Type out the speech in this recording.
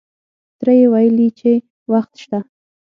تره یې ویلې چې وخت شته.